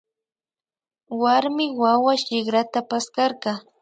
Warmi wawa shikrata paskarka